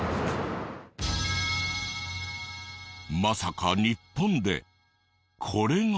まさか日本でこれが。